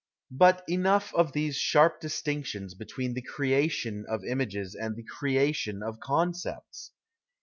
But enough of these sharp distinctions between the " creation ' of images and the " creation " of concepts